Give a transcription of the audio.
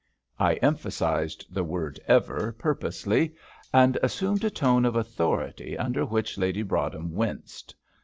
I emphasised the word "ever" purposely, and assumed a tone of authority under which Lady Broadhem winced.